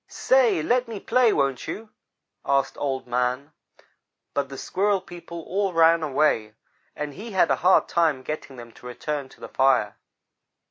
"'Say, let me play, won't you?' asked Old man. But the Squirrel people all ran away, and he had a hard time getting them to return to the fire.